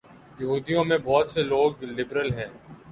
یہودیوں میں بہت سے لوگ لبرل ہیں۔